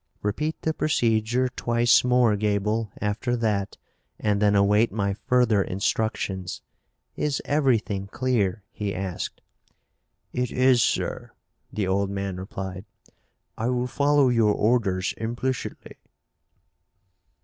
Repeat the procedure twice more, Gaeble, after that, and then await my further instructions. Is everything clear?" he asked. "It is, sir," the old man replied. "I will follow your orders implicitly."